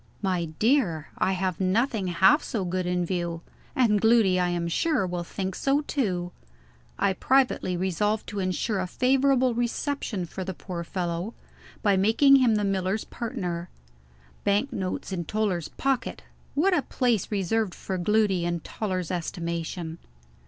"My dear, I have nothing half so good in view; and Gloody, I am sure, will think so too." I privately resolved to insure a favorable reception for the poor fellow, by making him the miller's partner. Bank notes in Toller's pocket! What a place reserved for Gloody in Toller's estimation!